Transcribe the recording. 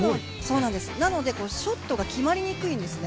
なので、ショットが決まりにくいんですね。